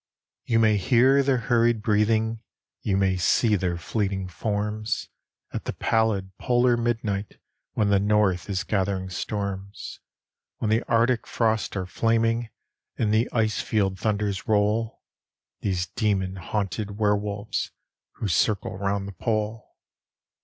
You may hear their hurried breathing, You may see their fleeting forms, At the pallid polar midnight, When the north is gathering storms; When the arctic frosts are flaming, And the ice field thunders roll; These demon haunted were wolves, Who circle round the Pole.